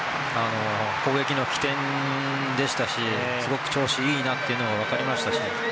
攻撃の起点でしたしすごく調子がいいなというのが分かりましたし。